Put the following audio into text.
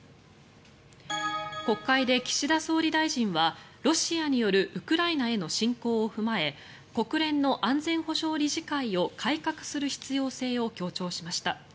国会で岸田総理大臣はロシアによるウクライナへの侵攻を踏まえ国連の安全保障理事会を改革する必要性を強調しました。